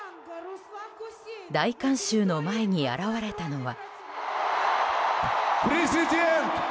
大観衆の前に現れたのは。